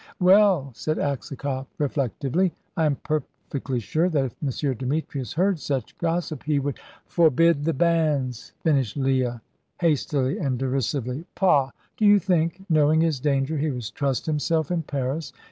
"Well," said Aksakoff, reflectively, "I am perfectly sure that if M. Demetrius heard such gossip, he would " "Forbid the banns," finished Leah, hastily and derisively. "Pah! Do you think, knowing his danger, he would trust himself in Paris?